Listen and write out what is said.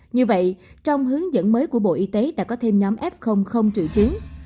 như vậy trong hướng dẫn mới của bộ y tế đã có thêm nhóm f trự chiến